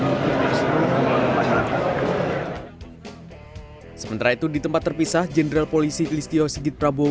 hai sementara itu di tempat terpisah jenderal polisi listio sigit prabowo